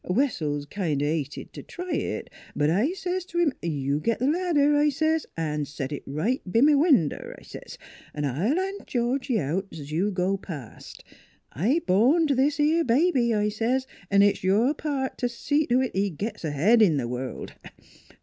... Wessells kind hated t' try it, but I says t 1 'im, * You git th' ladder,' I says, * an' set it right b' my winder,' I says. ' 'N' I'll han' Georgie out 's you go a past. I horned this 'ere baby,' I says, ' 'n' it's your part t' see to it he gits ahead in th' world.'